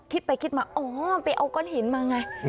คิดไปคิดมาอ๋อไปเอาก้อนหินมาไง